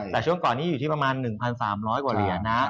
แต่ช่วงก่อนนี้อยู่ที่ประมาณ๑๓๐๐กว่าเหรียญนะ